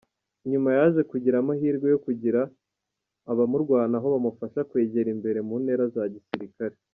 Nyuma yaje kugira amahirwe yo kugira abamurwanaho bamufasha kwegera imbere mu ntera za gisirikare.